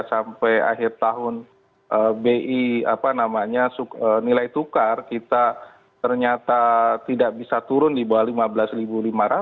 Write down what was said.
sampai akhir tahun bi apa namanya nilai tukar kita ternyata tidak bisa turun di bawah rp lima belas lima ratus